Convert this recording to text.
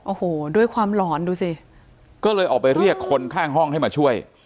โอ้โหด้วยความหลอนดูสิก็เลยออกไปเรียกคนข้างห้องให้มาช่วย